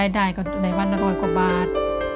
ได้ก็ได้ว่าน้อยกว่าบาท